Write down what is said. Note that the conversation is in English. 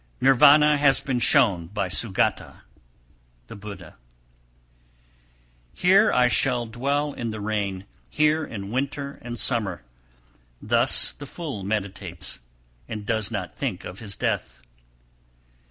Nirvana has been shown by Sugata (Buddha). 286. `Here I shall dwell in the rain, here in winter and summer,' thus the fool meditates, and does not think of his death.